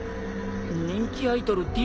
「人気アイドルＤ